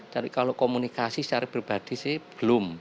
jadi kalau komunikasi secara pribadi sih belum